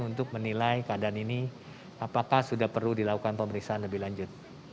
untuk menilai keadaan ini apakah sudah perlu dilakukan pemeriksaan lebih lanjut